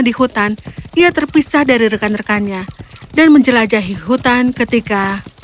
pasang pangeran sedang berkemah di hutan ia terpisah dari rekan rekannya dan menjelajahi hutan ketika